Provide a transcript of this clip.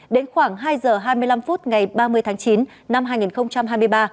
đến khoảng hai giờ hai mươi năm phút ngày ba mươi tháng chín năm hai nghìn hai mươi ba